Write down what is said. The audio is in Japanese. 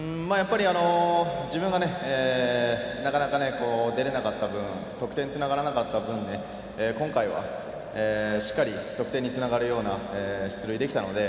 自分が、なかなか出られなかった分得点、つながらなかった分今回はしっかり得点につながるような出塁できたので。